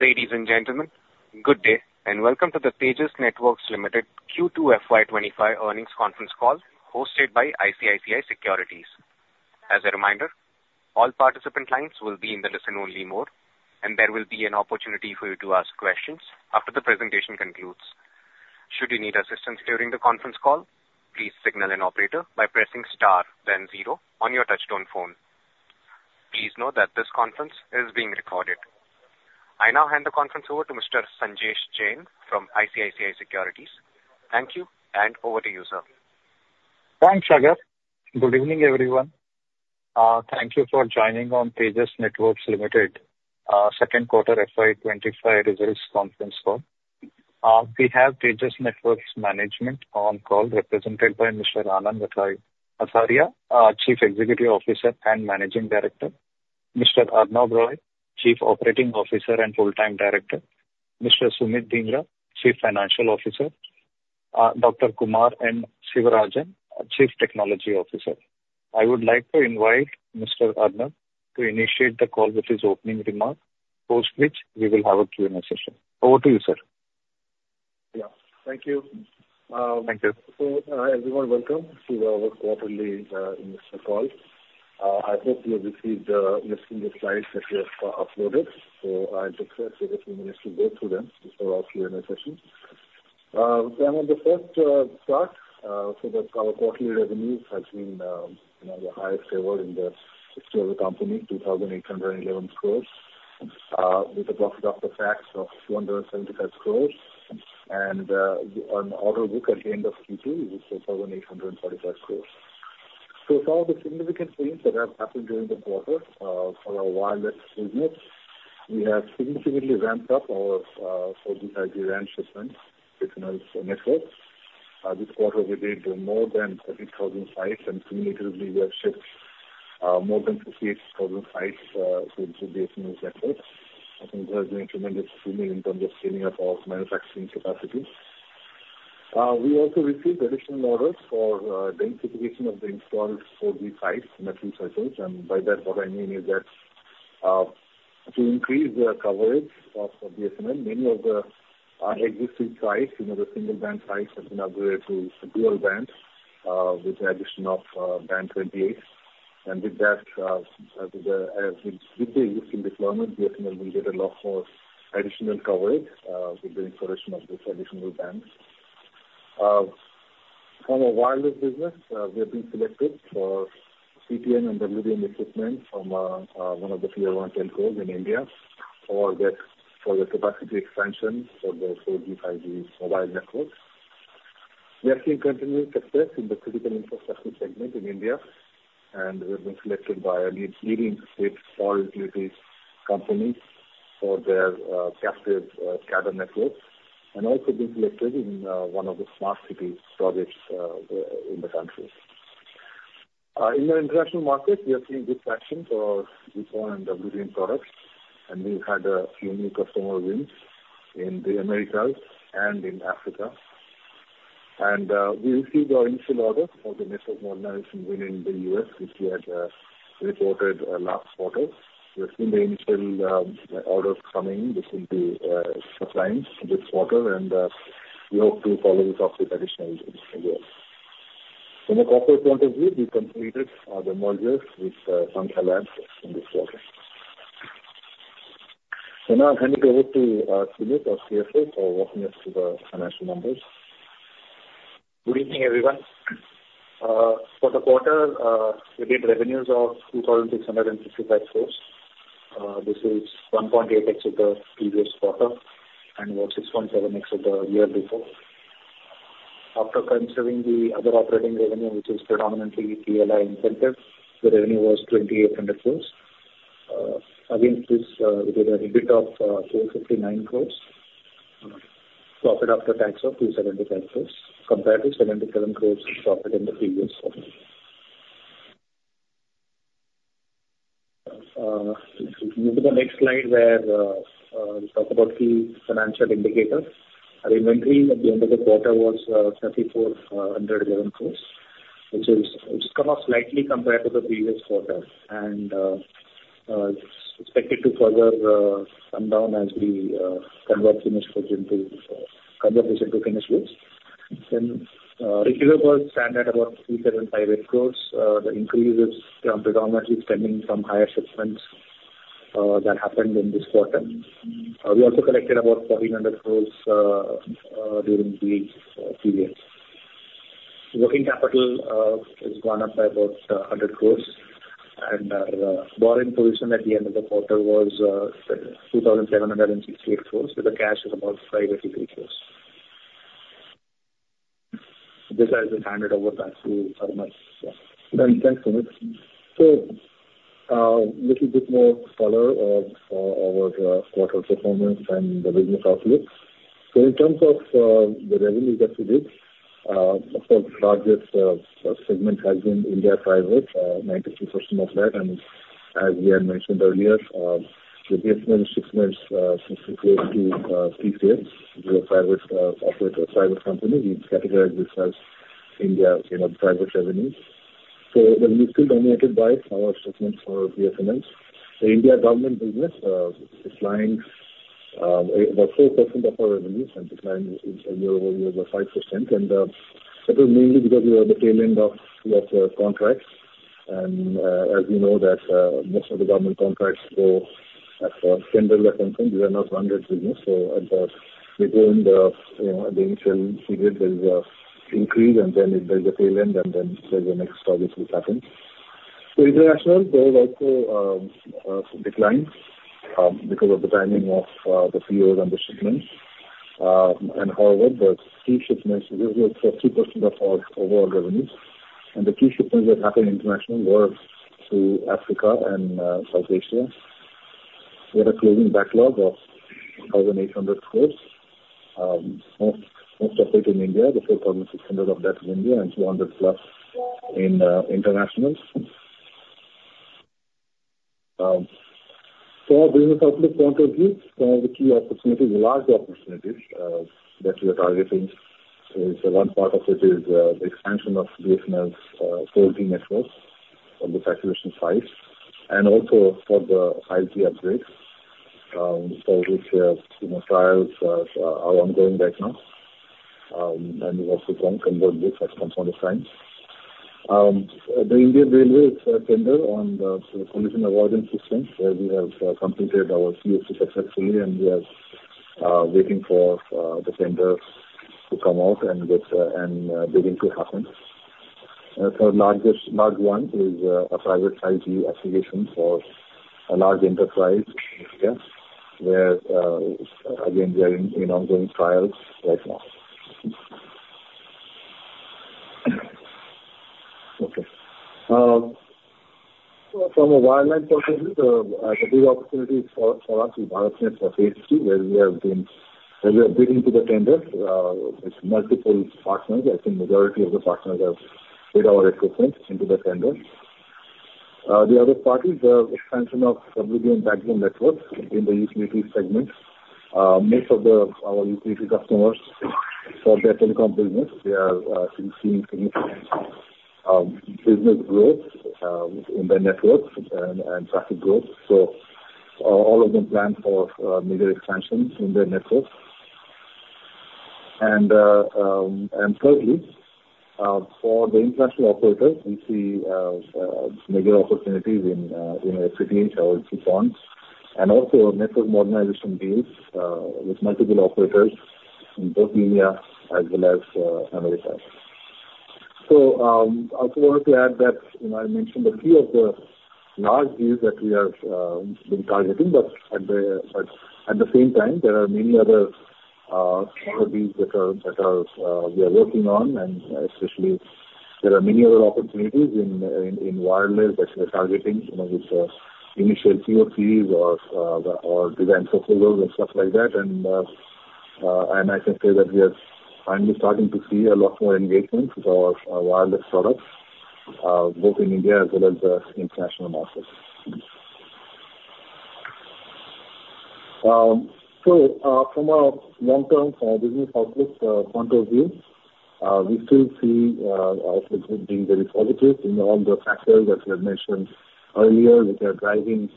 Ladies and gentlemen, good day, and welcome to the Tejas Networks Limited Q2 FY 2025 Earnings Conference Call, hosted by ICICI Securities. As a reminder, all participant lines will be in the listen-only mode, and there will be an opportunity for you to ask questions after the presentation concludes. Should you need assistance during the conference call, please signal an operator by pressing star then zero on your touchtone phone. Please note that this conference is being recorded. I now hand the conference over to Mr. Sanjesh Jain from ICICI Securities. Thank you, and over to you, sir. Thanks, Sagar. Good evening, everyone. Thank you for joining on Tejas Networks Limited Second Quarter FY 2025 Results Conference Call. We have Tejas Networks management on call, represented by Mr. Anand Athreya, our Chief Executive Officer and Managing Director, Mr. Arnob Roy, Chief Operating Officer and Whole-Time Director, Mr. Sumit Dhingra, Chief Financial Officer, Dr. Kumar N. Sivarajan, Chief Technology Officer. I would like to invite Mr. Arnob to initiate the call with his opening remarks, post which we will have a Q&A session. Over to you, sir. Yeah. Thank you. So, everyone, welcome to our quarterly investor call. I hope you have received list of the slides that we have uploaded, so I just ask you a few minutes to go through them before our Q&A session. Coming to the first part, so that our quarterly revenues has been, you know, the highest ever in the history of the company, 2,811 crores, with a profit after tax of 275 crores. And, on order book at the end of Q2 is 7,845 crores. So some of the significant things that have happened during the quarter, for our wireless business, we have significantly ramped up our 4G/5G RAN systems additional networks. This quarter, we did more than 38,000 sites, and cumulatively, we have shipped more than 58,000 sites to the BSNL networks. I think there has been tremendous improvement in terms of scaling up our manufacturing capacities. We also received additional orders for densification of the installed 4G sites in metro circles, and by that, what I mean is that, to increase the coverage of the BSNL, many of the existing sites, you know, the single band sites, have been upgraded to dual bands with the addition of band 28. With that, with the recent deployment, the BSNL will get a lot more additional coverage with the installation of these additional bands. From a wireless business, we have been selected for PTN and WDM equipment from one of the tier one telcos in India for the capacity expansion for the 4G, 5G mobile networks. We are seeing continued success in the critical infrastructure segment in India, and we have been selected by a leading state power utilities company for their captive SCADA networks, and also been selected in one of the smart city projects in the country. In the international market, we are seeing good traction for our GPON and WDM products, and we've had a few new customer wins in the Americas and in Africa. We received our initial order for the network modernization win in the US, which we had reported last quarter. We have seen the initial orders coming. This will be supplying this quarter, and we hope to follow it up with additional deals. From a corporate point of view, we completed the mergers with Sankhya Labs in this quarter. So now I'll hand it over to Sumit, our CFO, for walking us through the financial numbers. Good evening, everyone. For the quarter, we did revenues of 2,655 crores. This is 1.8x the previous quarter and about 6.7x the year before. After considering the other operating revenue, which is predominantly PLI incentive, the revenue was 2,800 crores. Against this, we did an EBIT of 459 crores, profit after tax of 275 crores, compared to 77 crores profit in the previous quarter. If we move to the next slide, where we talk about key financial indicators. Our inventory at the end of the quarter was 3,411 crores, which is. It's come up slightly compared to the previous quarter and it's expected to further come down as we convert this into finished goods. Then, receivables stand at about 375 crores. The increase is predominantly stemming from higher shipments that happened in this quarter. We also collected about 1,400 crores during the period. Working capital has gone up by about 100 crores, and our borrowing position at the end of the quarter was 2,768 crores, with the cash of about INR 583 crores. With this, I will hand it over back to Arnob. Thanks, Sumit. A little bit more color on our quarter performance and the business outlook. In terms of the revenues that we did, of course, largest segment has been India private, 96% of that, and as we had mentioned earlier, the BSNL shipments since close to three years. We are a private operator, a private company. We've categorized this as India, you know, private revenues. We're still dominated by our shipments for BSNL. The India government business is declining, about 4% of our revenues and decline is year-over-year by 5%. That was mainly because we were at the tail end of contracts. As you know, that most of the government contracts, as far as tenders are concerned, these are not 100% business, so within the, you know, the initial period there is an increase and then there's a tail end, and then there's the next obviously happens. So international, there is also some declines because of the timing of the POs and the shipments. And however, the key shipments, this is for 2% of our overall revenues. And the key shipments that happened in international were to Africa and South Asia. We had a closing backlog of 1,800 crores. Most of it in India, the 4,600 of that is India, and 200+ in international. So from a business outlook point of view, the key opportunities, large opportunities, that we are targeting is, one part of it is, the expansion of BSNL's 4G networks on the saturation side, and also for the optical upgrades, for which, you know, trials are ongoing right now. And we also can convert this at some point of time. The Indian Railways tender on the collision avoidance system, where we have completed our POC successfully, and we are waiting for the tender to come out and get bidding to happen. So the largest one is, a private 5G application for a large enterprise in India, where, again, we are in ongoing trials right now. Okay. From a wireless point of view, a big opportunity for us in BharatNet Phase 2, where we are bidding to the tender with multiple partners. I think majority of the partners have made our equipment into the tender. The other part is the expansion of WDM backhaul networks in the utility segment. Most of our utility customers, for their telecom business, they are seeing significant business growth in their networks and traffic growth. So all of them plan for major expansions in their networks. And thirdly, for the international operators, we see major opportunities in, [inaudible] and also network modernization deals with multiple operators in both India as well as Americas. So, I also wanted to add that, you know, I mentioned a few of the large deals that we have been targeting, but at the same time, there are many other opportunities that we are working on. And especially, there are many other opportunities in wireless that we are targeting, you know, with initial PoCs or design proposals and stuff like that. And I can say that we are finally starting to see a lot more engagement with our wireless products, both in India as well as the international markets. So, from a long-term business outlook point of view, we still see our outlook being very positive in all the factors that we have mentioned earlier, which are driving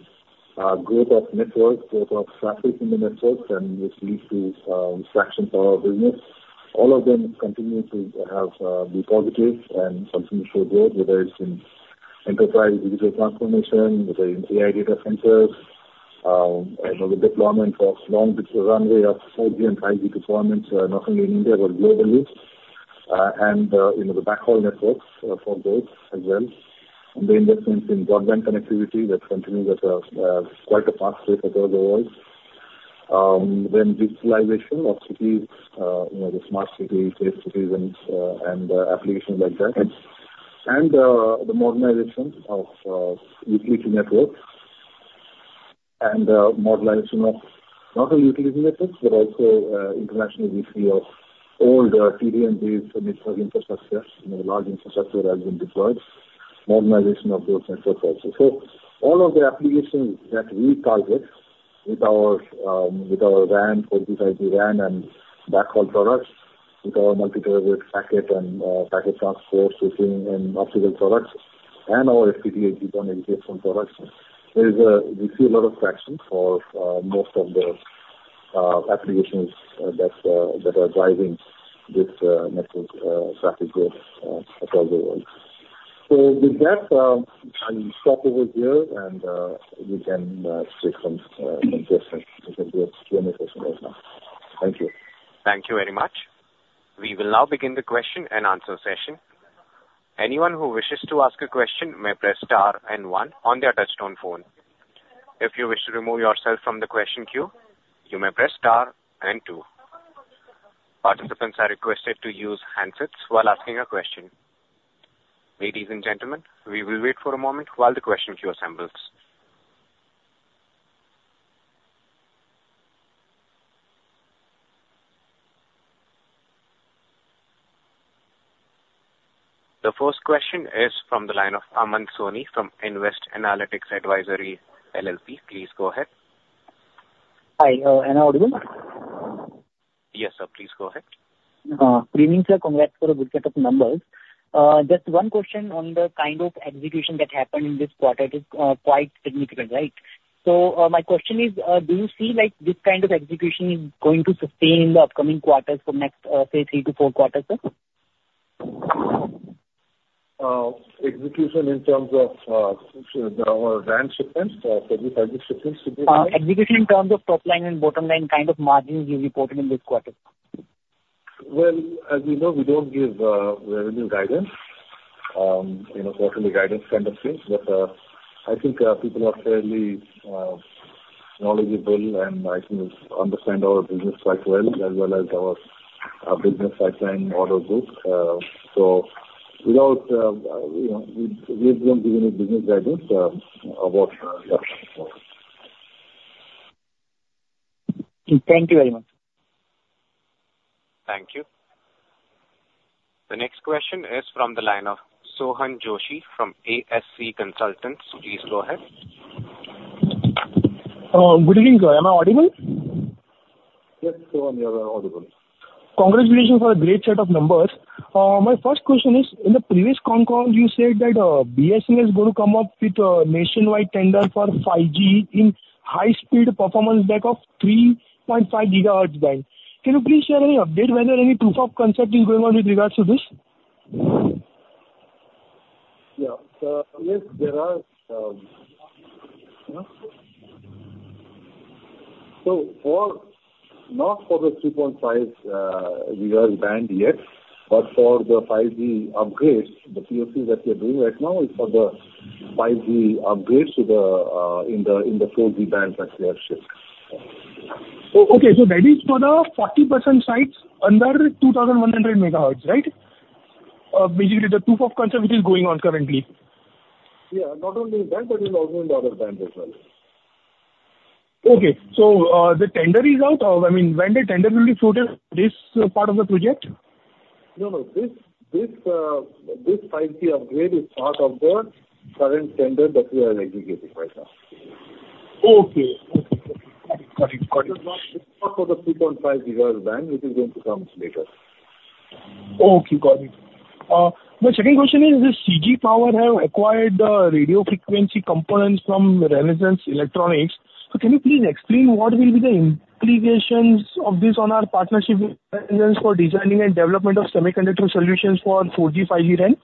growth of network, growth of traffic in the networks, and this leads to traction for our business. All of them continue to be positive and continue to show growth, whether it's in enterprise digital transformation, whether in AI data centers, you know, the deployment of long digital runway of 4G and 5G deployments, not only in India, but globally, and you know, the backhaul networks for those as well. The investments in broadband connectivity that continues at quite a fast rate across the world. Then digitalization of cities, you know, the smart cities, safe cities, and applications like that. The modernization of utility networks, and modernization of not only utility networks, but also internationally, we see old TDM network infrastructure, you know, large infrastructure that has been deployed, modernization of those networks also. So all of the applications that we target with our WAN and backhaul products, with our multi-terabit packet and packet transport switching and optical products, and our 5G RAN edge computing products, there is. We see a lot of traction for most of the applications that are driving this network traffic growth across the world. So with that, I'll stop over here, and we can take some questions. We can do a Q&A session right now. Thank you. Thank you very much. We will now begin the question and answer session. Anyone who wishes to ask a question may press star and one on their touchtone phone. If you wish to remove yourself from the question queue, you may press star and two. Participants are requested to use handsets while asking a question. Ladies and gentlemen, we will wait for a moment while the question queue assembles. The first question is from the line of Aman Soni, from Nvest Analytics Advisory LLP. Please go ahead.... Hi, am I audible? Yes, sir, please go ahead. Good evening, sir. Congrats for a good set of numbers. Just one question on the kind of execution that happened in this quarter. It is quite significant, right? So, my question is, do you see, like, this kind of execution is going to sustain in the upcoming quarters for next, say, three to four quarters, sir? Execution in terms of our RAN shipments to BSNL, you mean? Execution in terms of top line and bottom line, kind of margins you reported in this quarter? As you know, we don't give revenue guidance, you know, quarterly guidance kind of things, but I think people are fairly knowledgeable, and I think understand our business quite well, as well as our business pipeline order book, so without you know, we don't give any business guidance about yeah. Thank you very much. Thank you. The next question is from the line of Sohan Joshi from ASC Consultants. Please go ahead. Good evening, sir. Am I audible? Yes, Sohan, you are audible. Congratulations for a great set of numbers. My first question is, in the previous con call, you said that BSNL is going to come up with a nationwide tender for 5G in high-speed performance backhaul of 3.5 gigahertz band. Can you please share any update whether any proof of concept is going on with regards to this? Yeah. So yes, there are. So, not for the 3.5 gigahertz band yet, but for the 5G upgrades, the POC that we are doing right now is for the 5G upgrades to the 4G bands that we have shipped. Okay, so that is for the 40% sites under 2,100 megahertz, right? Basically the proof of concept which is going on currently. Yeah, not only in that, but also in the other band as well. Okay. So, the tender is out, or, I mean, when the tender will be floated, this part of the project? No, no, this 5G upgrade is part of the current tender that we are executing right now. Okay. Okay, got it. Got it. It's not for the three point five gigahertz band. It is going to come later. Okay, got it. My second question is, does CG Power have acquired the radio frequency components from Renesas Electronics? So can you please explain what will be the implications of this on our partnership with Renesas for designing and development of semiconductor solutions for 4G, 5G RAN?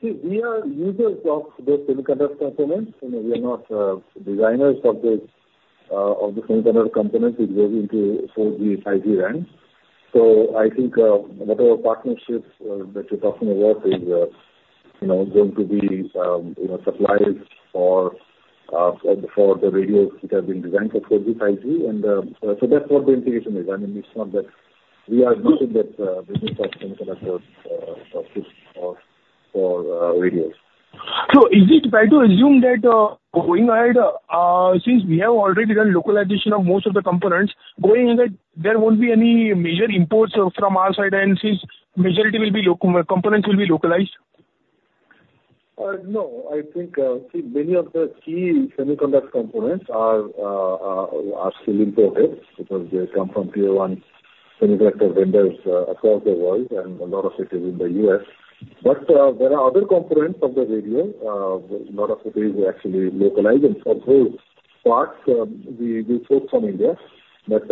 See, we are users of the semiconductor components, you know, we are not designers of the semiconductor components which goes into 4G, 5G RAN. So I think whatever partnerships that you're talking about is going to be, you know, suppliers for the radios which are being designed for 4G, 5G. And so that's what the integration is. I mean, it's not that we are not in that business of semiconductors for radios. So is it fair to assume that, going ahead, since we have already done localization of most of the components, going ahead, there won't be any major imports from our side, and since majority will be local... components will be localized? No. I think, see, many of the key semiconductor components are still imported because they come from tier-one semiconductor vendors across the world, and a lot of it is in the U.S. But, there are other components of the radio, a lot of it is actually localized, and for those parts, we source from India. But,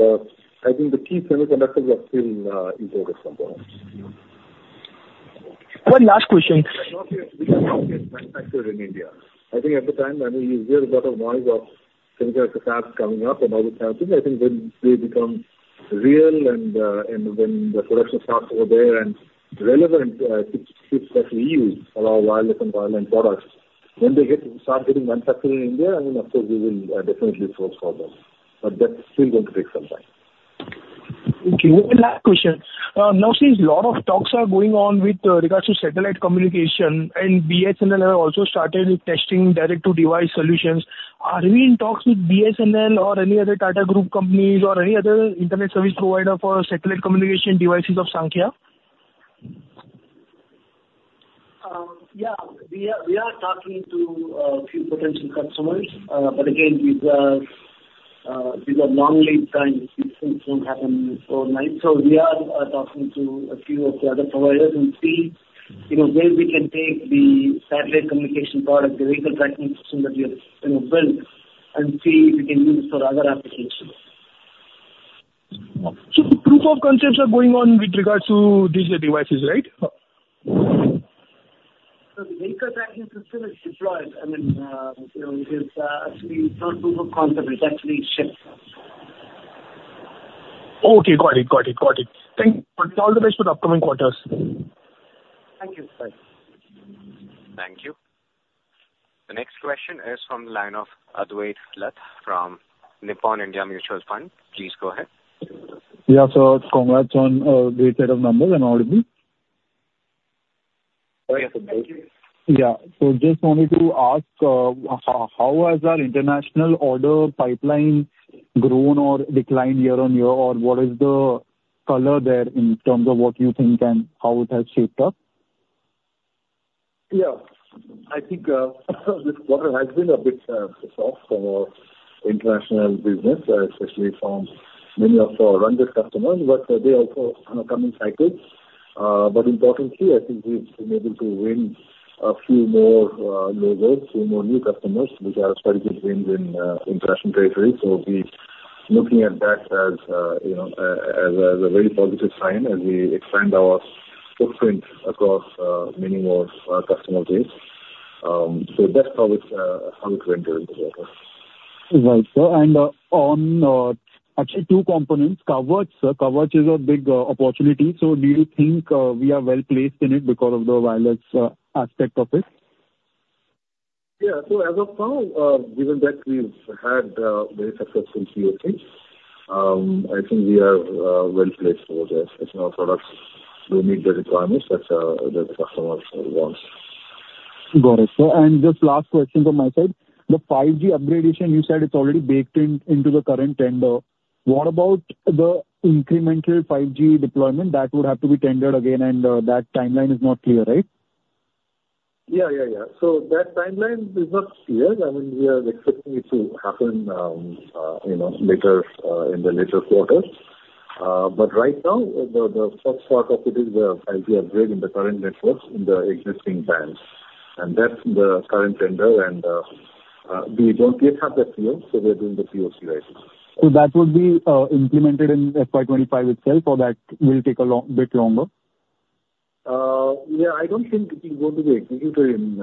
I think the key semiconductors are still imported components. One last question. Not yet. We are not yet manufactured in India. I think at the time, I mean, you hear a lot of noise of semiconductor fabs coming up and all that out there. I think when they become real and, and when the production starts over there, and relevant, chips that we use for our wireless broadband products, when they start getting manufactured in India, then of course, we will, definitely source for them, but that's still going to take some time. Okay, one last question. Now, since a lot of talks are going on with regards to satellite communication, and BSNL have also started testing direct-to-device solutions, are we in talks with BSNL or any other Tata Group companies or any other internet service provider for satellite communication devices of Sankhya? Yeah, we are talking to a few potential customers, but again, these are long lead times. These things won't happen overnight. So we are talking to a few of the other providers and see, you know, where we can take the satellite communication product, the vehicle tracking system that we have, you know, built, and see if we can use it for other applications. So the proof of concepts are going on with regards to these new devices, right? So the Vehicle Tracking System is deployed. I mean, you know, it is, actually, not proof of concept, it's actually shipped. Okay, got it. Thank you. All the best for the upcoming quarters. Thank you. Bye. Thank you. The next question is from the line of Advait Lath from Nippon India Mutual Fund. Please go ahead. Yeah, so congrats on a great set of numbers and all of this. Oh, yes, thank you. Yeah, so just wanted to ask, how has our international order pipeline grown or declined year on year, or what is the color there in terms of what you think and how it has shaped up? Yeah, I think this quarter has been a bit soft for our international business, especially from many of our rental customers, but they also are coming cycles. But importantly, I think we've been able to win a few more logos, few more new customers, which are strategic wins in international territories. So we're looking at that as you know as a very positive sign as we expand our footprint across many more customer base. So that's how it's, how it went during the quarter. Right, sir. And, on, actually two components, coverage, sir. Coverage is a big, opportunity, so do you think, we are well-placed in it because of the wireless, aspect of it? Yeah. So as of now, given that we've had very successful POC, I think we are well-placed over there. It's our products. We meet the requirements that the customer wants. Got it, sir. And just last question from my side. The 5G upgradation, you said it's already baked in, into the current tender. What about the incremental 5G deployment? That would have to be tendered again, and that timeline is not clear, right? Yeah, yeah, yeah. So that timeline is not clear. I mean, we are expecting it to happen, you know, later in the later quarters. But right now, the first part of it is the IT upgrade in the current networks, in the existing bands, and that's the current tender, and we don't yet have the clear, so we're doing the POC right now. So that would be implemented in FY 2025 itself, or that will take a long bit longer? Yeah, I don't think it will go to the execution in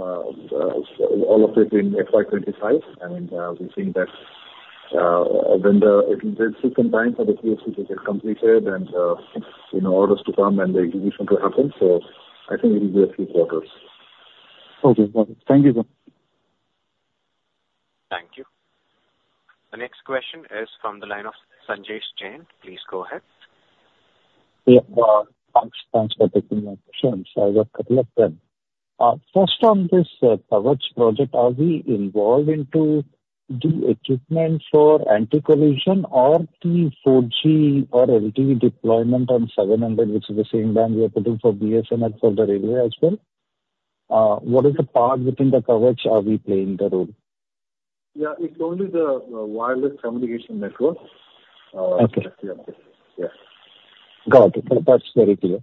all of it in FY 2025. I mean, we think that it will take some time for the POC to get completed and, you know, orders to come and the execution to happen, so I think it will be a few quarters. Okay. Got it. Thank you, sir. Thank you. The next question is from the line of Sanjesh Jain. Please go ahead. Yeah, thanks, thanks for taking my question. So I have a couple of them. First, on this coverage project, are we involved into the equipment for anti-collision or the 4G or LTE deployment on seven hundred, which is the same band we are putting for BSNL for the railway as well? What is the part within the coverage are we playing the role? Yeah, it's only the wireless communication network. Okay. Uh, yeah. Got it. That's very clear.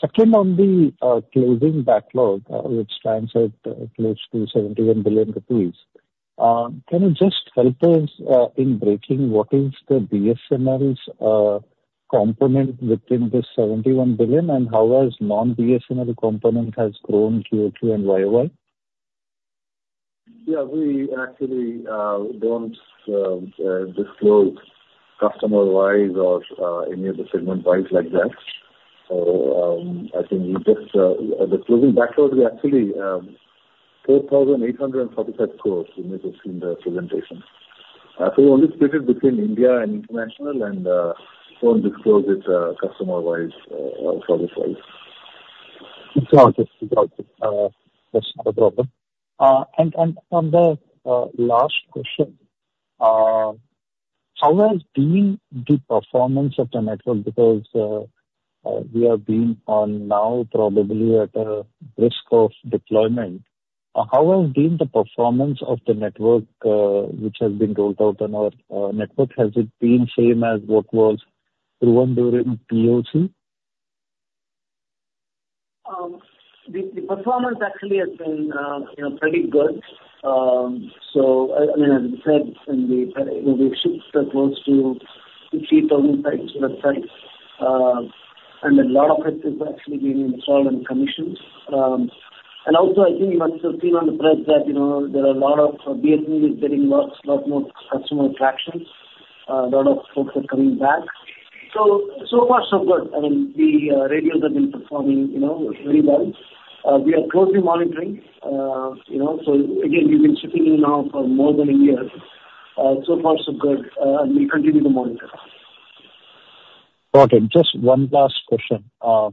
Second, on the closing backlog, which stands at close to 71 billion rupees, can you just help us in breaking what is the BSNL's component within this 71 billion, and how has non-BSNL component has grown QoQ and YoY? Yeah. We actually don't disclose customer-wise or any of the segment-wise like that. So, I think the closing backlogs, we actually 4,845 crores, you may have seen the presentation. So we only split it between India and international, and don't disclose it customer-wise or product-wise. It's okay. It's okay. That's not a problem. And on the last question, how has been the performance of the network? Because we have been on now probably at a risk of deployment. How has been the performance of the network, which has been rolled out on our network? Has it been same as what was proven during POC? The performance actually has been, you know, pretty good. So, I mean, as I said, in the, you know, we shipped close to 50,000 sites, and a lot of it is actually being installed and commissioned. And also, I think you must have seen on the press that, you know, there are a lot of BSNL is getting lot more customer traction. A lot of folks are coming back. So far, so good. I mean, the radios have been performing, you know, very well. We are closely monitoring, you know, so again, we've been shipping it now for more than a year. So far, so good, and we'll continue to monitor. Got it. Just one last question. Are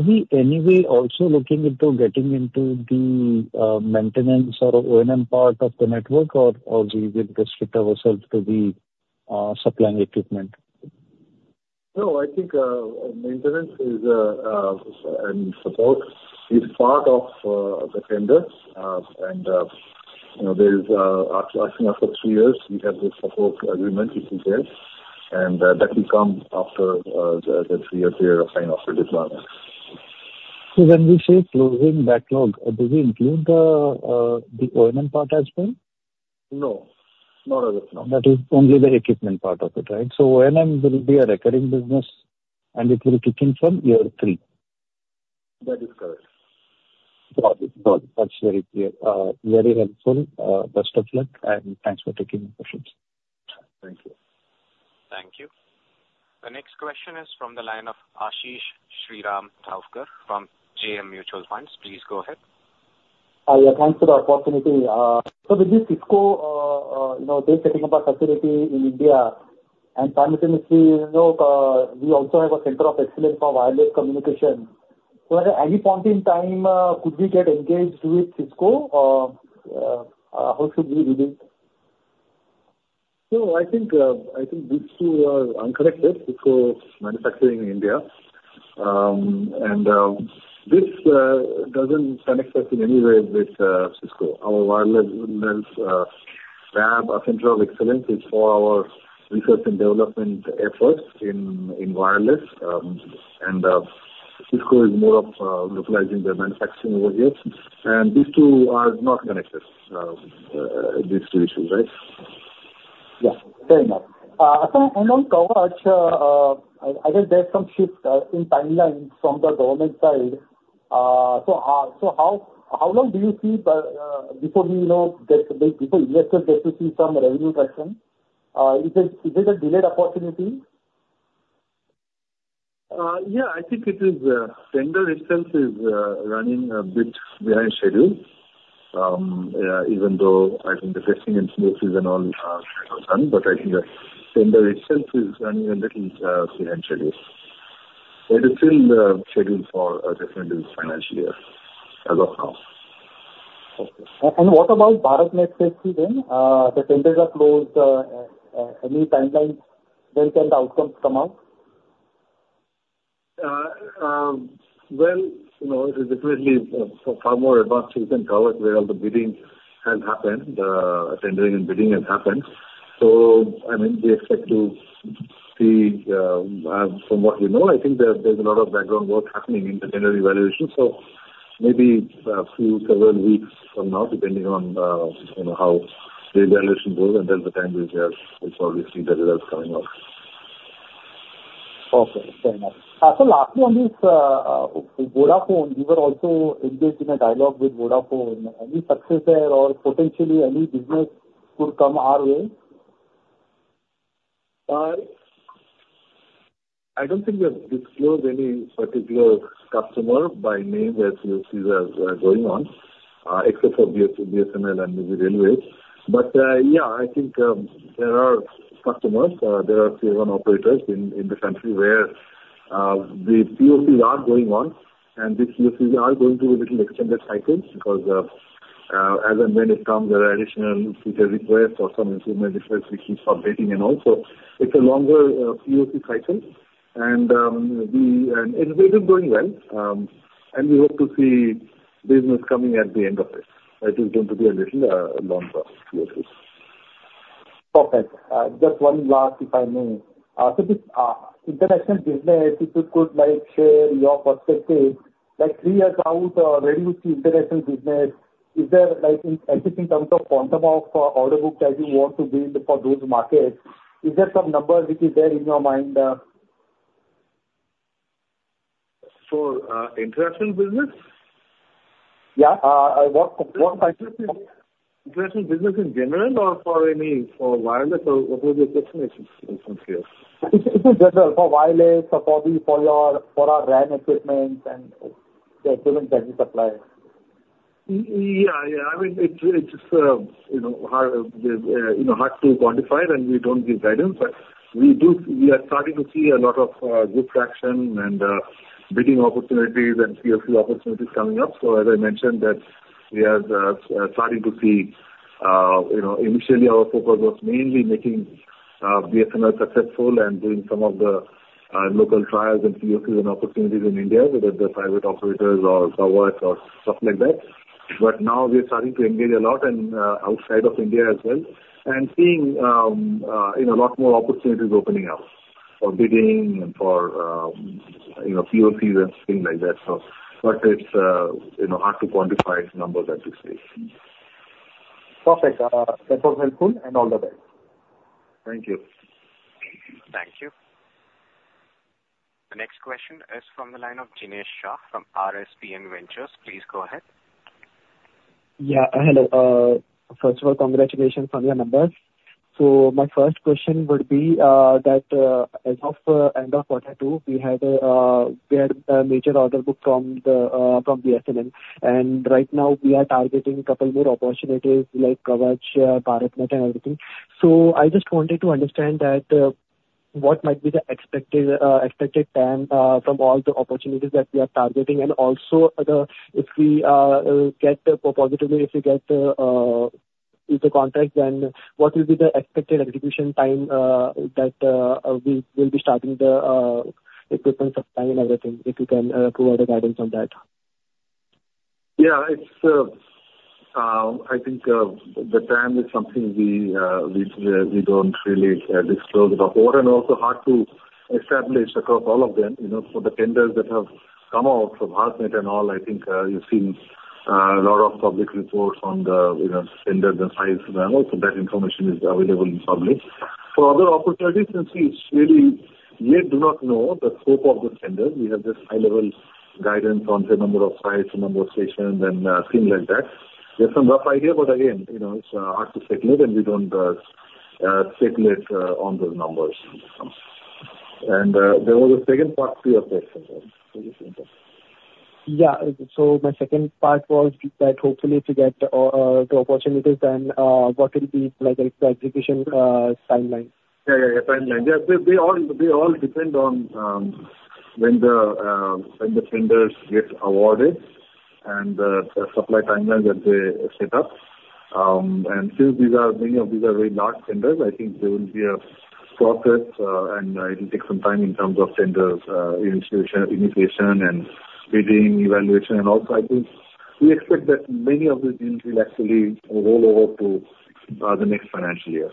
we any way also looking into getting into the maintenance or O&M part of the network, or we will restrict ourselves to the supplying equipment? No, I think, maintenance is, and support is part of, the tender. And, you know, there is, actually after three years, we have the support agreement, if you will, and, that will come after, the three-year period of, you know, of deployment. So when we say closing backlog, does it include the O&M part as well? No. Not as of now. That is only the equipment part of it, right? So O&M will be a recurring business, and it will kick in from year three. That is correct. Got it. Got it. That's very clear, very helpful. Best of luck, and thanks for taking the questions. Thank you. Thank you. The next question is from the line of Ashish Shriram Thavkar from JM Mutual Funds. Please go ahead. Yeah, thanks for the opportunity. So with this Cisco, you know, they're setting up a facility in India, and simultaneously, you know, we also have a center of excellence for wireless communication. So at any point in time, could we get engaged with Cisco? How should we read it? No, So I think, I think these two are unconnected. Cisco manufacturing in India, and, this, doesn't connect us in any way with Cisco. Our wireless, lab of central excellence is for our research and development efforts in, in wireless. And, Cisco is more of, localizing their manufacturing over here, and these two are not connected, these two issues, right? Yeah, fair enough. So and on coverage, I think there's some shifts in timelines from the government side. So, how long do you see the before we, you know, get, like, before you actually get to see some revenue traction? Is it a delayed opportunity? Yeah, I think it is. Tender itself is running a bit behind schedule. Yeah, even though I think the testing and releases and all are done, but I think the tender itself is running a little behind schedule. But it's still scheduled for this financial year, as of now. Okay. And what about BharatNet phase two then? The tenders are closed. Any timelines when can the outcomes come out? Well, you know, it is definitely so far more advanced than Kavach, where all the bidding has happened, tendering and bidding has happened. So, I mean, we expect to see from what we know, I think there's a lot of background work happening in the tender evaluation. So maybe a few several weeks from now, depending on you know how the evaluation goes, and then the time is there, we'll obviously the results coming out. Okay, fair enough. So lastly on this, Vodafone, you were also engaged in a dialogue with Vodafone. Any success there or potentially any business could come our way? I don't think we have disclosed any particular customer by name, as you see the going on, except for BSNL and the railways. But yeah, I think there are several operators in the country where the POCs are going on, and these POCs are going through a little extended cycles because as and when it comes, there are additional feature requests or some improvement requests which keeps updating and all. So it's a longer POC cycle, and it is going well, and we hope to see business coming at the end of it. It is going to be a little longer process. Perfect. Just one last, if I may. So this international business, if you could like share your perspective, like three years out, revenue to international business, is there like anything in terms of quantum of order book that you want to build for those markets? Is there some number which is there in your mind? International business? Yeah. What in- International business in general or for any, for wireless, or what was your question? It's unclear. It's in general for wireless, probably for our RAN equipment and the equipment that we supply. Yeah, yeah. I mean, it's, it is, you know, hard to quantify, and we don't give guidance. But we do. We are starting to see a lot of good traction and bidding opportunities and POC opportunities coming up. So as I mentioned that we are starting to see, you know. Initially, our focus was mainly making BSNL successful and doing some of the local trials and POCs and opportunities in India, whether the private operators or government or stuff like that. But now we are starting to engage a lot outside of India as well, and seeing, you know, a lot more opportunities opening up for bidding and for, you know, POCs and things like that. So, but it's, you know, hard to quantify numbers at this stage. Perfect. That was helpful, and all the best. Thank you. Thank you. The next question is from the line of Jinesh Shah from RSPN Ventures. Please go ahead. Yeah, hello. First of all, congratulations on your numbers. So my first question would be that, as of end of quarter two, we had a major order book from BSNL, and right now we are targeting a couple more opportunities like Kavach, BharatNet and everything. So I just wanted to understand that, what might be the expected time from all the opportunities that we are targeting, and also, if we get it positively, if we get the contract, then what will be the expected execution time that we will be starting the equipment supply and everything, if you can provide a guidance on that? Yeah, it's, I think, the time is something we don't really disclose, but more and also hard to establish across all of them. You know, for the tenders that have come out from BharatNet and all, I think, you've seen a lot of public reports on the, you know, tenders and size and all, so that information is available in public. For other opportunities, since it's really, we do not know the scope of the tender. We have just high-level guidance on the number of sites, the number of stations and things like that. Just a rough idea, but again, you know, it's hard to speculate, and we don't speculate on those numbers. There was a second part to your question also. Yeah. So my second part was that hopefully to get the opportunities, then what will be like the execution timeline? Yeah, yeah, yeah, timeline. Yeah, they all depend on when the tenders get awarded and the supply timeline that they set up. And since these are many of these are very large tenders, I think there will be a process and it will take some time in terms of tenders initiation and bidding, evaluation, and all. So I think we expect that many of the deals will actually roll over to the next financial year.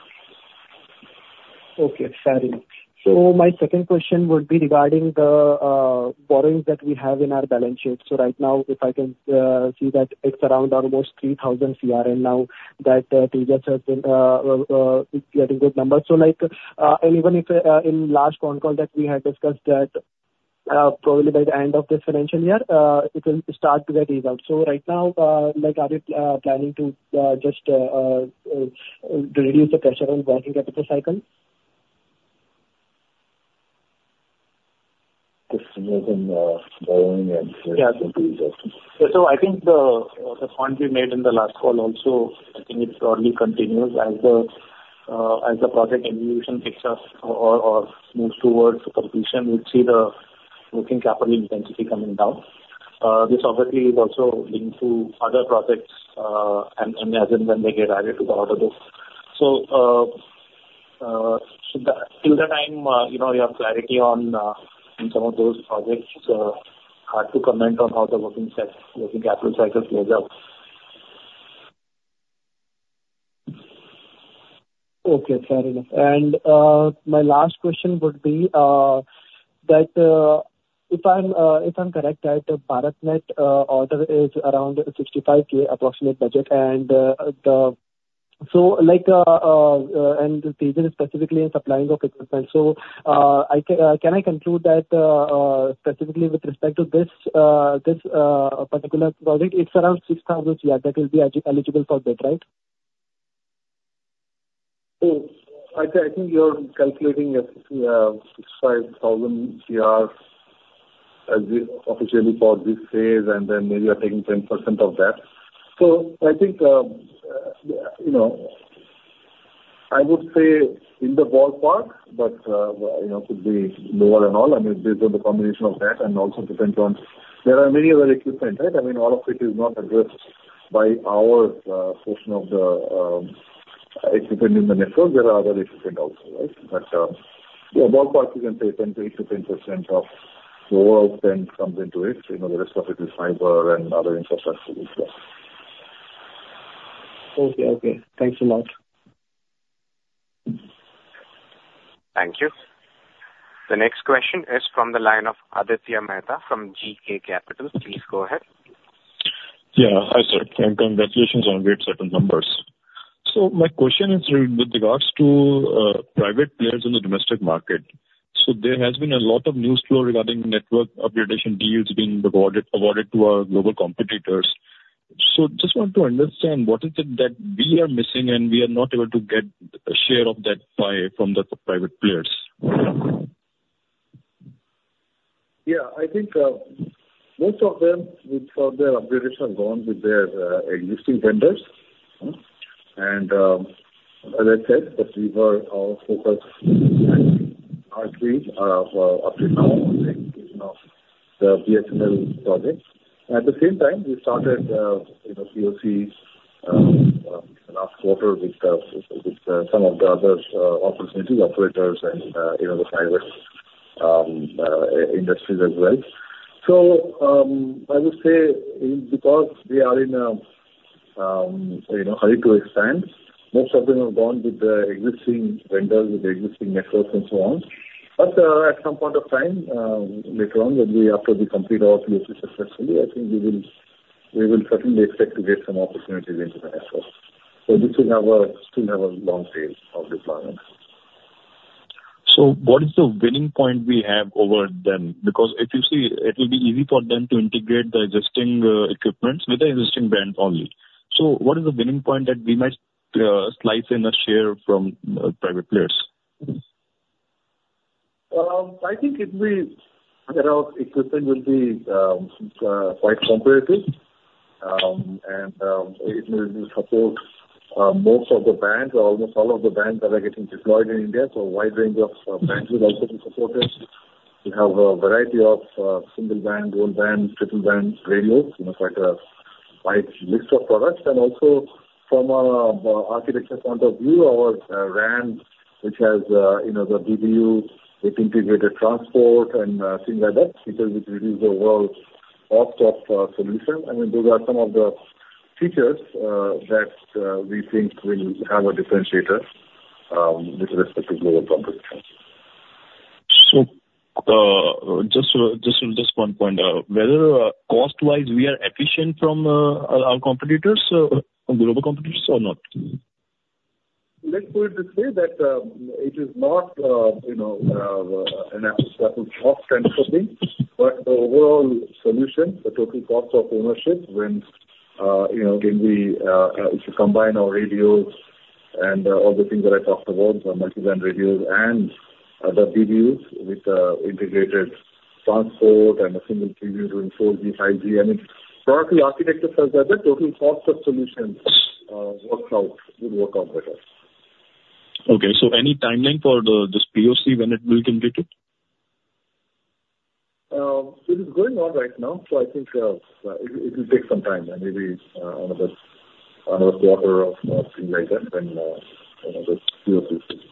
Okay, exciting. So my second question would be regarding the borrowings that we have in our balance sheet. So right now, if I can see that it's around almost 3,000 crore now, that Tejas has been getting good numbers. So, like, and even if in last phone call that we had discussed that probably by the end of this financial year it will start to get results. So right now, like, are we planning to just reduce the pressure on working capital cycle? This is in borrowing and- Yeah. Yeah, so I think the point we made in the last call also, I think it broadly continues. As the project execution picks up or moves towards completion, we'll see the working capital intensity coming down. This obviously is also linked to other projects, and as and when they get added to the order book. So, the till the time, you know, you have clarity on some of those projects, hard to comment on how the working capital cycle plays out. Okay, fair enough. And my last question would be that if I'm correct, that BharatNet order is around 65K approximate budget, and the. So like, and Tejas is specifically in supplying of equipment. So I can conclude that specifically with respect to this particular project, it's around 6,000 CR that will be eligible for that, right? So I think you're calculating at 65,000 crore as officially for this phase, and then maybe you're taking 10% of that. So I think you know, I would say in the ballpark, but you know, could be lower and all. I mean, these are the combination of that and also depends on... There are many other equipment, right? I mean, all of it is not addressed by our portion of the equipment in the network. There are other equipment also, right? But yeah, ballpark, you can say 8%-10% of the overall spend comes into it. You know, the rest of it is fiber and other infrastructure as well. Okay. Okay. Thanks a lot. Thank you. The next question is from the line of Aditya Mehta from GK Capital. Please go ahead. Yeah. Hi, sir, and congratulations on great set of numbers. So my question is with regards to private players in the domestic market. So there has been a lot of news flow regarding network upgradation deals being awarded to our global competitors. So just want to understand, what is it that we are missing and we are not able to get a share of that pie from the private players? Yeah, I think most of them, for their upgradation, have gone with their existing vendors. As I said, we were all focused largely, up to now, you know, the BSNL project. At the same time, we started, you know, POC last quarter with some of the other operators and, you know, the private industries as well. I would say because they are in a, you know, hurry to expand, most of them have gone with the existing vendors, with the existing networks and so on. But at some point of time, later on, when we, after we complete our business successfully, I think we will certainly expect to get some opportunities in those efforts. This will still have a long phase of deployment. So what is the winning point we have over them? Because if you see, it will be easy for them to integrate the existing equipment with the existing band only. So what is the winning point that we might slice in a share from private players? I think it will be, you know, equipment will be quite competitive, and it will support most of the bands or almost all of the bands that are getting deployed in India. So a wide range of bands will also be supported. We have a variety of single band, dual band, triple band radios, you know, quite a wide list of products. And also from a architecture point of view, our RAN, which has, you know, the BBU with integrated transport and things like that, because it reduces the world's off-the-shelf solution. I mean, those are some of the features that we think will have a differentiator with respect to global competition. Just one point. Whether cost-wise we are efficient from our competitors from the global competitors or not? Let's put it this way, that, it is not, you know, an apples to apples cost kind of a thing, but the overall solution, the total cost of ownership when, you know, when we, if you combine our radios and all the things that I talked about, the multi-band radios and other BBUs with, integrated transport and a single BBU doing 4G, 5G, I mean, broadband architecture such that the total cost of solutions, works out, will work out better. Okay, so any timeline for this POC when it will complete it? It is going on right now, so I think it will take some time, and maybe another quarter or something like that, and another few pieces.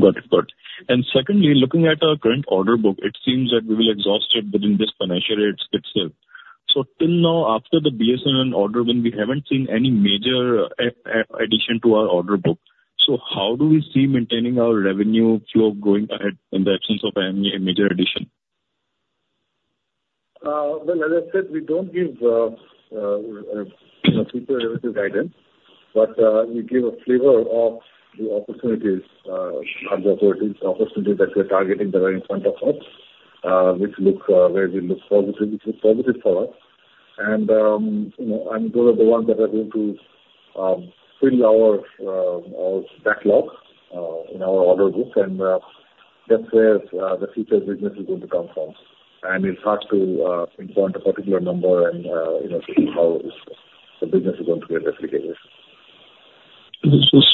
Got it. Got it, and secondly, looking at our current order book, it seems that we will exhaust it within this financial year itself, so till now, after the BSNL order, when we haven't seen any major addition to our order book, so how do we see maintaining our revenue flow going ahead in the absence of any major addition? Well, as I said, we don't give, you know, future revenue guidance, but we give a flavor of the opportunities, large opportunities, opportunities that we're targeting that are in front of us, which look very positive, which is positive for us and you know those are the ones that are going to fill our backlog in our order book and that's where the future business is going to come from. It's hard to pinpoint a particular number and, you know, how the business is going to get replicated.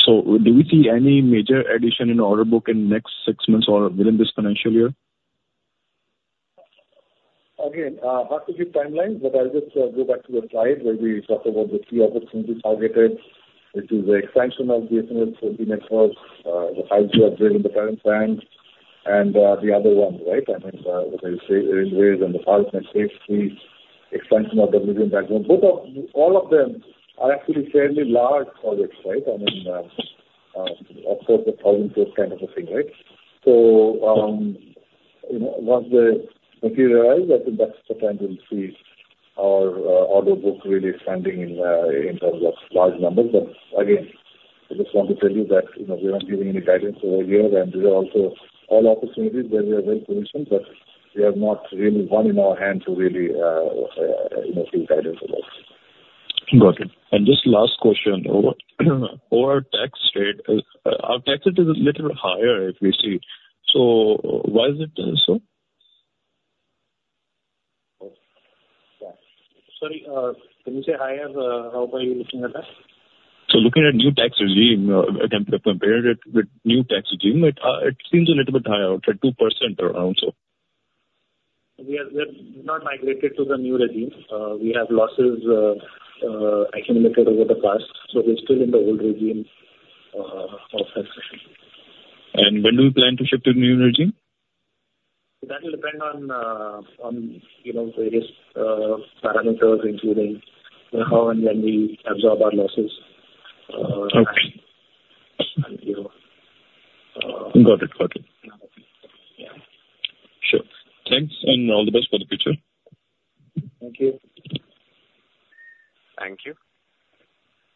So do we see any major addition in order book in next six months or within this financial year? Again, hard to give timelines, but I'll just go back to the slide where we talk about the key opportunities targeted. It is the expansion of BSNL's 4G, the 5G upgrade in the current plans, and the other one, right? I think what I say in the rail and the fiber expansion of the main backhaul. All of them are actually fairly large projects, right? I mean, of course, the BharatNet kind of a thing, right? So, you know, once they materialize, I think that's the time we'll see our order book really expanding in terms of large numbers. But again, I just want to tell you that, you know, we're not giving any guidance over here, and these are also all opportunities where we are well positioned, but we have not really won one in our hand to really, you know, give guidance about. Got it. And just last question: Our tax rate is a little higher, if we see. So why is it, sir? Sorry, can you say higher, how are you looking at that? So looking at new tax regime, compare it with new tax regime, it seems a little bit higher, around 2% around so. We are not migrated to the new regime. We have losses accumulated over the past, so we're still in the old regime of tax. When do you plan to shift to the new regime? That will depend on, you know, various parameters, including how and when we absorb our losses. Okay. And you Got it. Got it. Yeah. Sure. Thanks, and all the best for the future. Thank you. Thank you.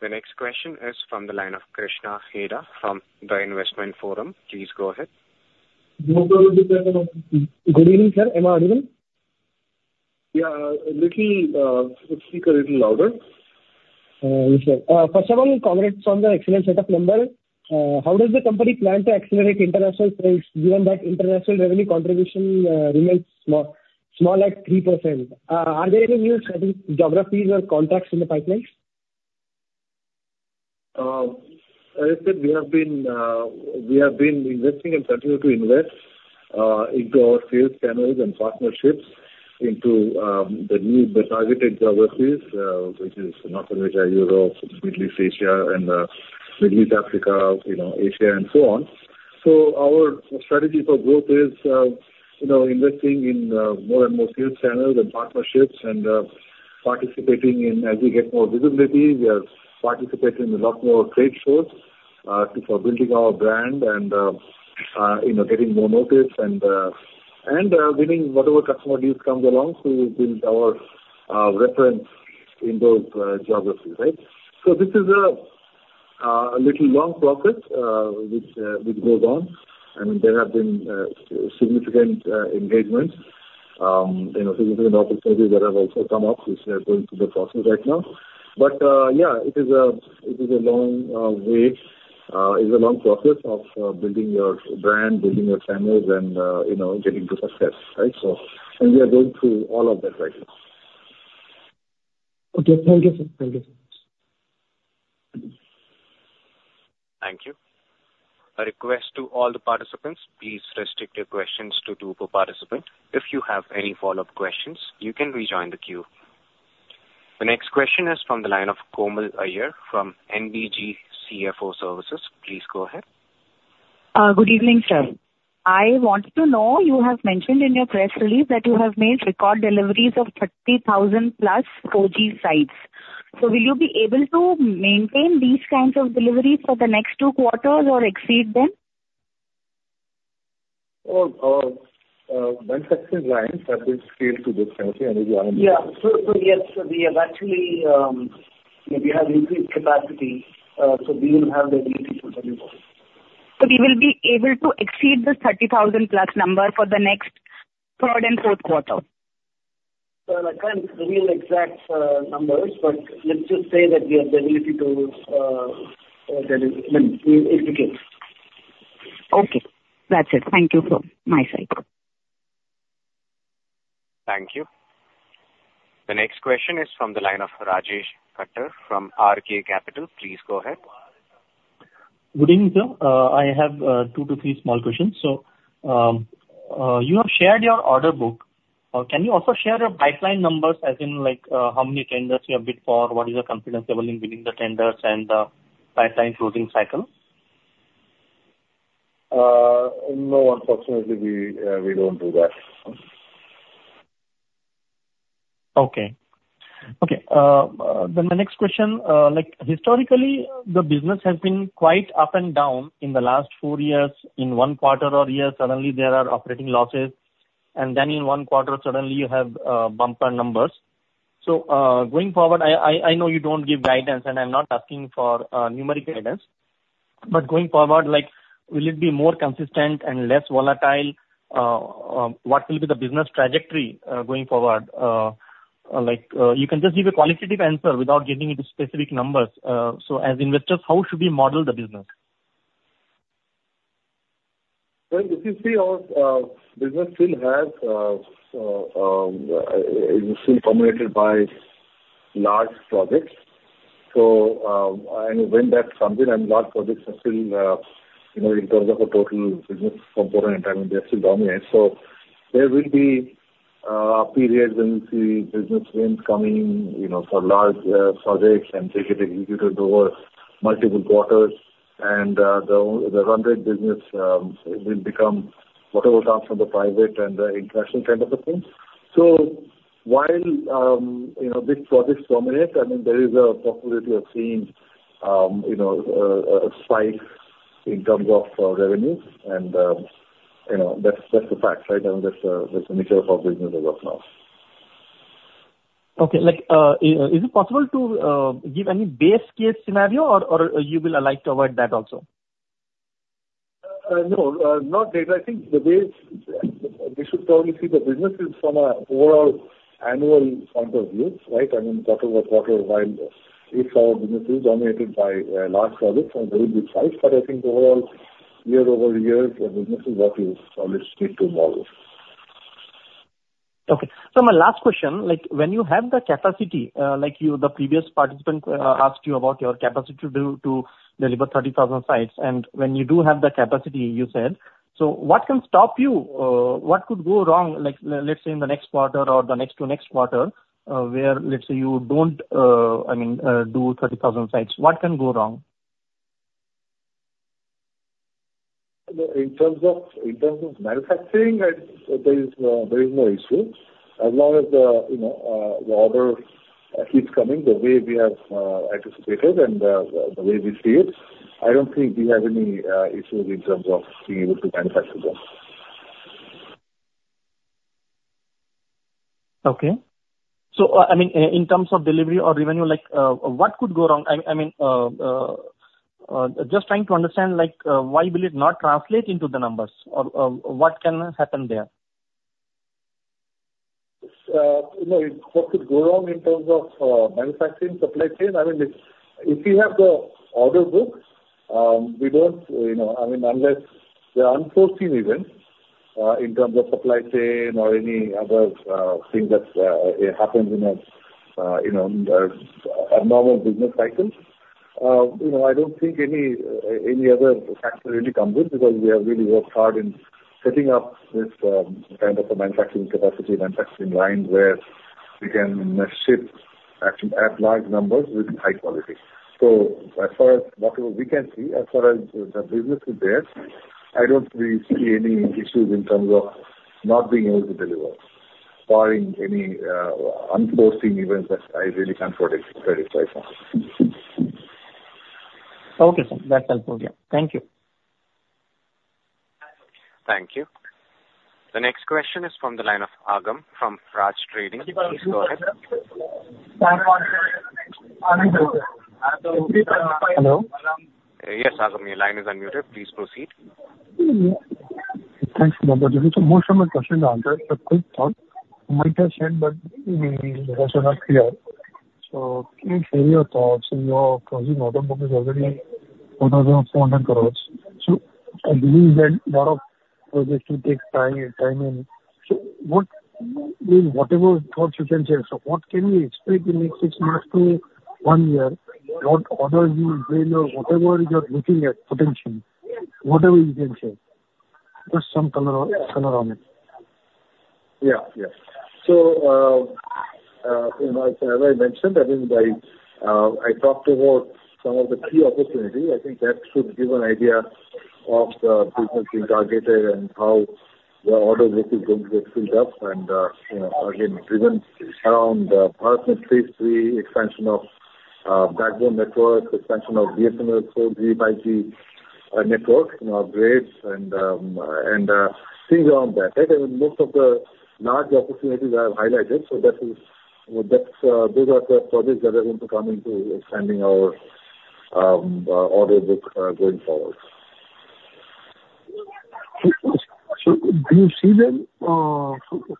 The next question is from the line of Krishna Heda from The Investment Forum. Please go ahead. Good evening, sir. Am I audible? Yeah, a little. Speak a little louder. Yes, sir. First of all, congrats on the excellent set of numbers. How does the company plan to accelerate international sales, given that international revenue contribution remains small at 3%? Are there any new geographies or contracts in the pipeline? As I said, we have been investing and continue to invest into our sales channels and partnerships into the new, the targeted geographies, which is North America, Europe, Middle East, Asia, and Middle East, Africa, you know, Asia and so on. So our strategy for growth is, you know, investing in more and more sales channels and partnerships and participating in as we get more visibility. We are participating in a lot more trade shows to for building our brand and, you know, getting more notice and winning whatever customer deals comes along to build our reference in those geographies, right? So this is a little long process, which goes on, and there have been significant engagements, you know, significant opportunities that have also come up, which are going through the process right now. But it is a long way. It's a long process of building your brand, building your channels and, you know, getting to success, right? So and we are going through all of that right now. Okay. Thank you, sir. Thank you. Thank you. A request to all the participants, please restrict your questions to two per participant. If you have any follow-up questions, you can rejoin the queue. The next question is from the line of Komal Iyer, from NBG CFO Services. Please go ahead. Good evening, sir. I want to know, you have mentioned in your press release that you have made record deliveries of 30,000 plus 4G sites. So will you be able to maintain these kinds of deliveries for the next two quarters or exceed them? Once in line, that will scale to this capacity and beyond. Yeah. So, yes, we have actually, we have increased capacity, so we will have the ability to deliver. So we will be able to exceed the thirty thousand plus number for the next third and fourth quarter? So I can't reveal exact numbers, but let's just say that we have the ability to deliver, if we get. Okay. That's it. Thank you, sir, my side. The next question is from the line of Rajesh Khattar from RK Capital. Please go ahead. Good evening, sir. I have two to three small questions. You have shared your order book. Can you also share your pipeline numbers, as in, like, how many tenders you have bid for, what is your confidence level in winning the tenders, and the pipeline closing cycle? No, unfortunately, we don't do that. Okay, then the next question. Like, historically, the business has been quite up and down in the last four years. In one quarter or year, suddenly there are operating losses, and then in one quarter, suddenly you have bumper numbers, so going forward, I know you don't give guidance, and I'm not asking for numeric guidance, but going forward, like, will it be more consistent and less volatile? What will be the business trajectory going forward? Like, you can just give a qualitative answer without getting into specific numbers, so as investors, how should we model the business? Well, if you see our business is still dominated by large projects. So when that comes in, and large projects are still you know, in terms of a total business component, I mean, they still dominate. So there will be periods when you see business wins coming, you know, for large projects and take it executed over multiple quarters, and the other business will become whatever comes from the private and the international kind of a thing. So while you know, big projects dominate, I mean, there is a possibility of seeing you know, a spike in terms of revenues, and you know, that's the fact, right? I mean, that's the nature of our business as of now. Okay. Like, is it possible to give any best case scenario, or you will like to avoid that also? No, not that. I think the way we should probably see the business is from an overall annual point of view, right? I mean, quarter over quarter, while it's our business is dominated by large projects and very big size, but I think overall, year over year, the business is what you probably speak to tomorrow. Okay. So my last question, like, when you have the capacity, like you, the previous participant, asked you about your capacity to deliver thirty thousand sites, and when you do have the capacity, you said, so what can stop you? What could go wrong, like, let's say, in the next quarter or the next to next quarter, where, let's say, you don't, I mean, do thirty thousand sites, what can go wrong? In terms of manufacturing, there is no issue. As long as the, you know, the order keeps coming, the way we have anticipated and the way we see it, I don't think we have any issues in terms of being able to manufacture them. Okay. So, I mean, in terms of delivery or revenue, like, what could go wrong? I mean, just trying to understand, like, why will it not translate into the numbers or what can happen there? You know, what could go wrong in terms of manufacturing, supply chain? I mean, if we have the order books, we don't, you know, I mean, unless there are unforeseen events in terms of supply chain or any other thing that happens in a, you know, a normal business cycle. You know, I don't think any other factor really comes in, because we have really worked hard in setting up this kind of a manufacturing capacity, manufacturing line, where we can ship at large numbers with high quality. So as far as what we can see, as far as the business is there, I don't really see any issues in terms of not being able to deliver, barring any unforeseen events that I really can't predict right now. Okay, sir. That's helpful. Yeah. Thank you. Thank you. The next question is from the line of Agam from Raj Trading. Please go ahead. Hello? Yes, Agam, your line is unmuted. Please proceed. Thanks a lot. Most of my questions are answered, but quick thought. My question, but the answers are not clear. So can you share your thoughts, your closing order book is already over the quarter. So I believe that lot of projects will take time and timing. So what, whatever thoughts you can share. So what can we expect in the next six months to one year? What orders you build or whatever you're looking at potentially, whatever you can share. Just some color, color on it. Yeah. Yeah. So, you know, as I mentioned, I mean, I talked about some of the key opportunities. I think that should give an idea of the business we targeted and how the order book is going to get filled up. And, you know, again, driven by partnership, expansion of backbone network, expansion of BSNL, 5G by 5G network, you know, upgrades and things around that. I think most of the large opportunities I have highlighted, so that is, those are the projects that are going to come into expanding our order book going forward. So do you see them, do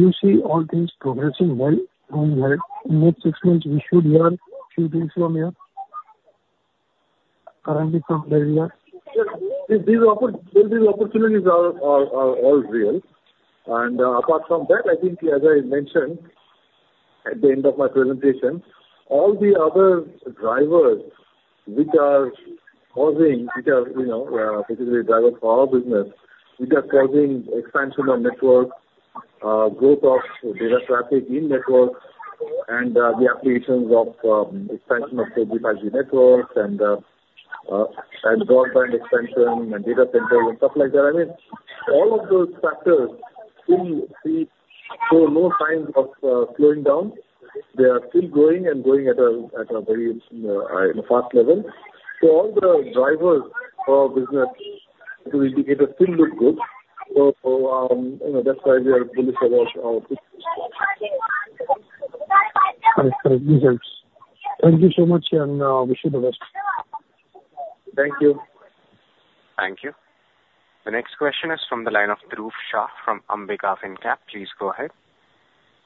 you see all things progressing well? I mean, like, in next six months, we should hear a few things from you currently from where we are? Yes, these opportunities are all real, and apart from that, I think as I mentioned at the end of my presentation, all the other drivers which are causing, which are, you know, particularly driver for our business, which are causing expansion of network, growth of data traffic in networks and the applications of expansion of say, 5G networks and broadband expansion and data centers and stuff like that. I mean, all of those factors still show no signs of slowing down. They are still growing and growing at a very, you know, fast level, so all the drivers for our business indicators still look good, so you know, that's why we are bullish about our business. Got it. Thank you so much, and wish you the best. Thank you. Thank you. The next question is from the line of Dhruv Shah from Ambika Fincap. Please go ahead.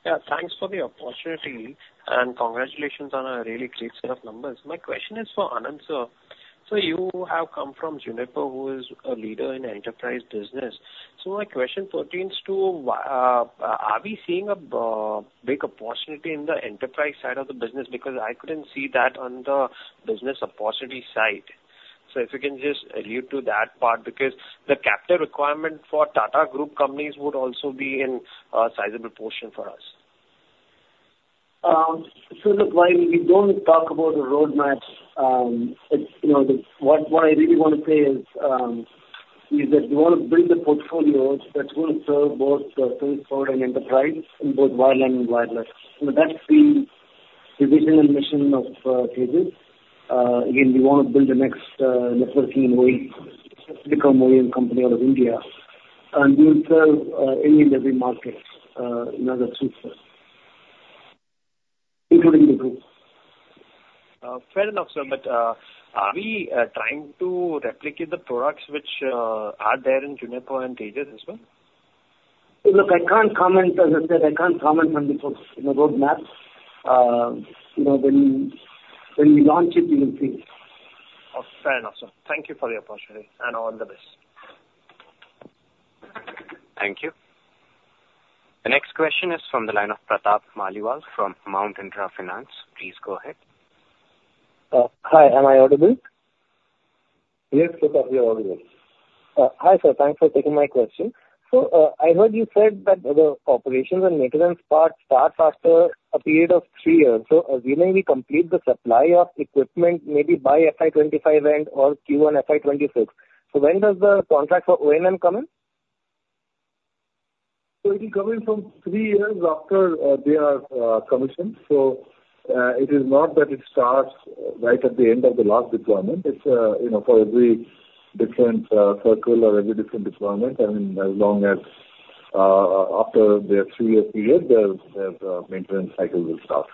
Yeah, thanks for the opportunity, and congratulations on a really great set of numbers. My question is for Anand. So you have come from Juniper, who is a leader in enterprise business. So my question pertains to why are we seeing a big opportunity in the enterprise side of the business? Because I couldn't see that on the business opportunity side. So if you can just allude to that part, because the capital requirement for Tata Group companies would also be in a sizable portion for us. So look, while we don't talk about the roadmap, it's, you know, the what I really want to say is that we want to build a portfolio that's going to serve both the enterprise in both wireline and wireless. So that's the vision and mission of Tejas. Again, we want to build the next networking OEM, become OEM company out of India, and we will serve any and every market in other sectors, including the group. Fair enough, sir. But, are we trying to replicate the products which are there in Juniper and Tejas as well? Look, I can't comment. As I said, I can't comment on the folks, you know, roadmaps. You know, when we launch it, you will see. Oh, fair enough, sir. Thank you for the opportunity, and all the best. Thank you. The next question is from the line of Pratap Maliwal from Mount Intra Finance. Please go ahead. Hi, am I audible? Yes, Pratap, you're audible. Hi, sir, thanks for taking my question. So, I heard you said that the operations and maintenance part start after a period of three years. So assuming we complete the supply of equipment, maybe by FY 2025 end or Q1 FY 2026, so when does the contract for O&M come in? So it will come in from three years after they are commissioned. So, it is not that it starts right at the end of the last deployment. It's, you know, for every different circle or every different deployment, I mean, as long as, after their three-year period, their maintenance cycle will start.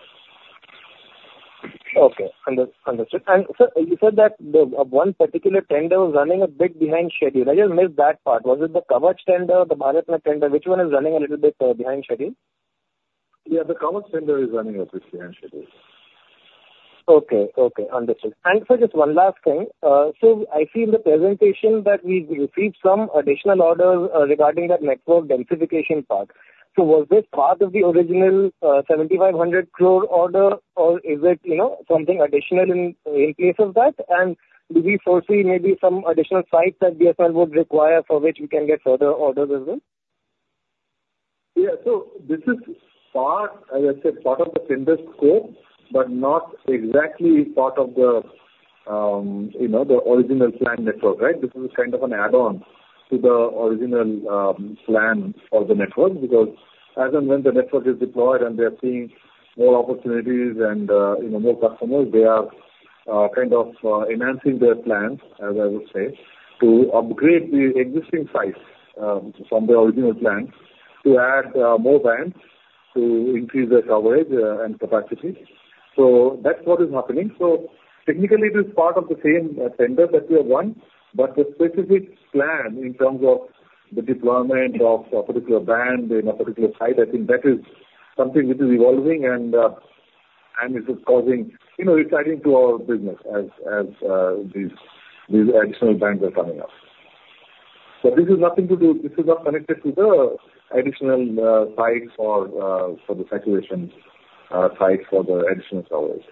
Okay. Understood. And sir, you said that one particular tender was running a bit behind schedule. I just missed that part. Was it the Kavach tender or the BharatNet tender? Which one is running a little bit behind schedule? Yeah, the Kavach tender is running a bit behind schedule. Okay. Okay, understood. And sir, just one last thing. So I see in the presentation that we received some additional orders, regarding that network densification part. So was this part of the original, 7,500 crore order, or is it, you know, something additional in case of that? And do we foresee maybe some additional sites that BSNL would require for which we can get further orders as well? Yeah, so this is part, as I said, part of the tender scope, but not exactly part of the, you know, the original plan network, right? This is kind of an add-on to the original, plan of the network, because as and when the network is deployed and they are seeing more opportunities and, you know, more customers, they are, kind of, enhancing their plans, as I would say, to upgrade the existing sites, from the original plans, to add, more bands, to increase the coverage, and capacity, so that's what is happening. So technically, it is part of the same tender that we have won, but the specific plan in terms of the deployment of a particular band in a particular site, I think that is something which is evolving and it is causing, you know, exciting to our business as these additional bands are coming up. So this is nothing to do. This is not connected to the additional sites for the saturation sites for the additional coverage.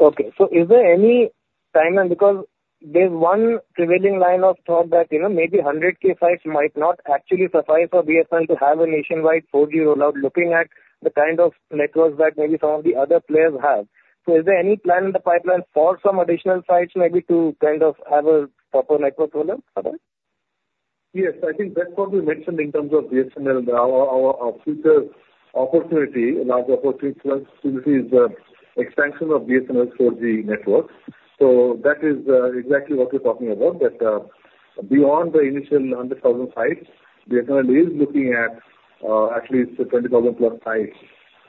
Okay. So is there any timeline? Because there's one prevailing line of thought that, you know, maybe hundred K sites might not actually suffice for BSNL to have a nationwide 4G rollout, looking at the kind of networks that maybe some of the other players have. So is there any plan in the pipeline for some additional sites, maybe to kind of have a proper network rollout coverage? Yes, I think that's what we mentioned in terms of BSNL. Our future opportunity, large opportunity plus is expansion of BSNL's 4G network. So that is exactly what you're talking about. But beyond the initial hundred thousand sites, BSNL is looking at at least twenty thousand plus sites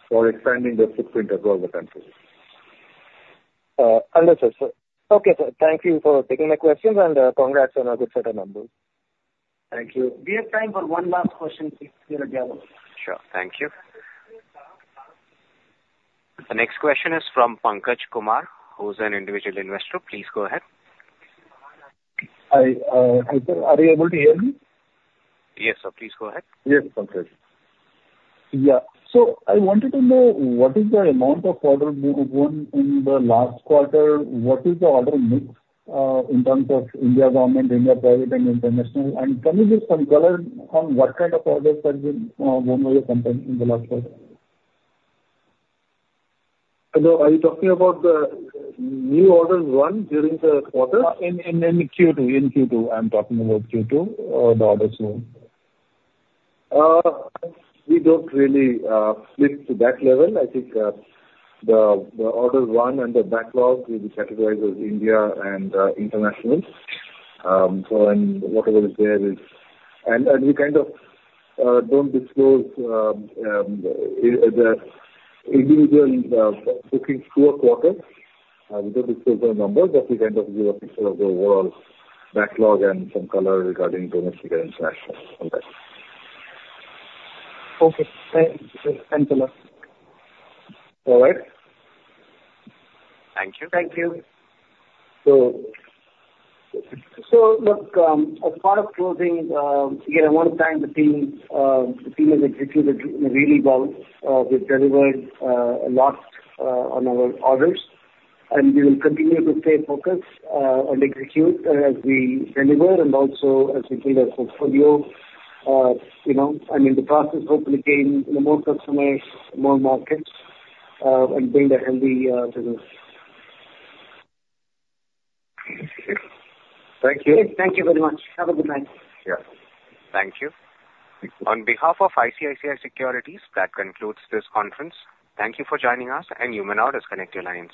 for expanding their footprint across the country. Understood, sir. Okay, sir, thank you for taking my questions, and congrats on a good set of numbers. Thank you. We have time for one last question, if there are available. Sure. Thank you. The next question is from Pankaj Kumar, who's an individual investor. Please go ahead. I, hello, are you able to hear me? Yes, sir. Please go ahead. Yes, Pankaj. Yeah, so I wanted to know, what is the amount of order book won in the last quarter? What is the order mix, in terms of India government, India private, and international? And can you give some color on what kind of orders have been won by your company in the last quarter? Hello, are you talking about the new orders won during the quarter? In Q2. I'm talking about Q2, the orders won. We don't really split to that level. I think the orders won and the backlog will be categorized as India and international. So and whatever is there is... And we kind of don't disclose the individual bookings per quarter. We don't disclose those numbers, but we kind of give a picture of the overall backlog and some color regarding domestic and international on that. Okay. Thanks a lot. All right. Thank you. Thank you. Look, as part of closing, again, I want to thank the team. The team has executed really well. We've delivered a lot on our orders, and we will continue to stay focused and execute as we deliver and also as we build our portfolio. You know, and in the process, hopefully gain, you know, more customers, more markets, and build a healthy business. Thank you. Thank you very much. Have a good night. Yeah. Thank you. On behalf of ICICI Securities, that concludes this conference. Thank you for joining us, and you may now disconnect your lines.